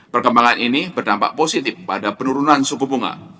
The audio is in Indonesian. perkembangan ini berdampak positif pada penurunan suku bunga